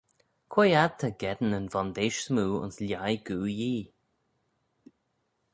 Quoi ad ta geddyn yn vondeish smoo ayns lhaih Goo Yee?